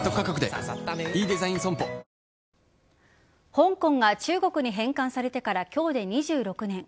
香港が中国に返還されてから今日で２６年。